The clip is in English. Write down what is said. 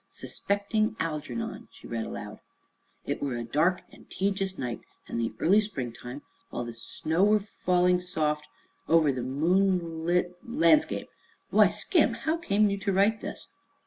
"'Suspecting Algernon,'" she read aloud. "'It were a dark and teedjus night in the erly springtime while the snow were falling soft over the moon litt lanskape.' Why, Skim, how came you to write this?"